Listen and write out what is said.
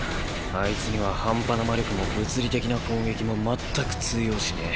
あいつには半端な魔力も物理的な攻撃も全く通用しねぇ。